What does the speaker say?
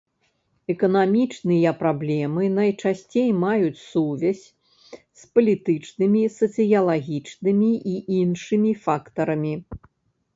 Эканамічныя праблемы найчасцей маюць сувязь с палітычнымі, сацыялагічнымі і іншымі фактарамі.